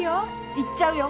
行っちゃうよ。